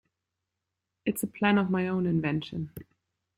It’s a plan of my own invention.